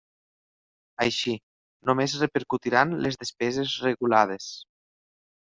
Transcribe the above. Així, només repercutiran les despeses regulades.